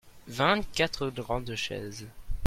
vingt quatre grandes chaises.